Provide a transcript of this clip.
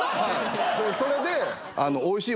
それで。